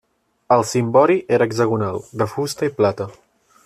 El cimbori era hexagonal, de fusta i plata.